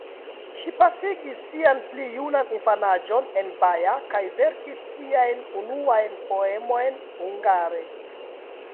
Ŝi pasigis sian pli junan infanaĝon en Baja kaj verkis siajn unuajn poemojn hungare.